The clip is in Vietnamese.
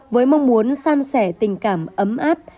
với mong muốn san sẻ tình cảm ấm áp